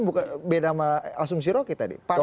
beda sama asumsi rocky tadi